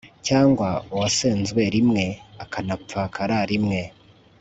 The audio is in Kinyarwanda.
cyangwa uwasenzwe rimwe akanapfakara rimwe